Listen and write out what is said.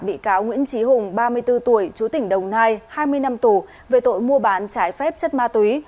bị cáo nguyễn trí hùng ba mươi bốn tuổi chú tỉnh đồng nai hai mươi năm tù về tội mua bán trái phép chất ma túy